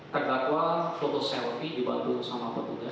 terdakwa foto selfie dibantu sama petugas